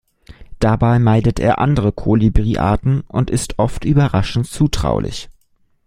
Dabei meidet er andere Kolibriarten und ist oft überraschend zutraulich.